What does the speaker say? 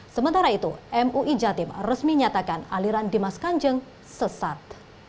sementara itu mui jatim resmi nyatakan aliran dimas kanjeng sesat